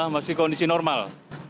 masih kondisi normal